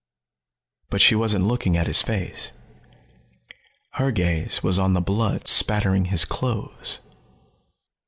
But she wasn't looking at his face. Her gaze was on the blood splattering his clothes.